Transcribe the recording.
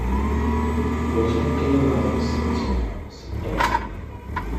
露出驚訝的神情和聲音